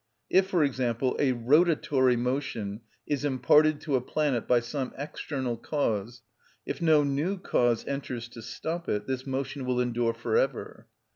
If, for example, a rotatory motion is imparted to a planet by some external cause, if no new cause enters to stop it, this motion will endure for ever.